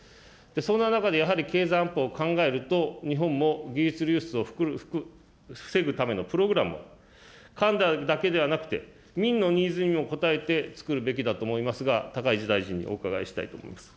そんな中で経済安保を考えると、日本も技術流出を防ぐためのプログラムを、官だけではなくて、民のニーズにも応えて作るべきだと思いますが、高市大臣にお伺いしたいと思います。